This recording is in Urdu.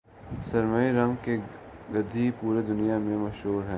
سرمئی رنگ کے گدھ پوری دنیا میں مشہور ہیں